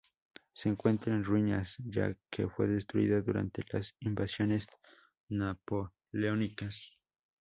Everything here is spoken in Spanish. Se encuentra en ruinas ya que fue destruida durante las invasiones napoleónicas.